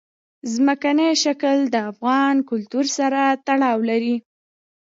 ځمکنی شکل د افغان کلتور سره تړاو لري.